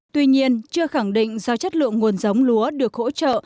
tuy nhiên chưa khẳng định do chất lượng nguồn giống lúa được hỗ trợ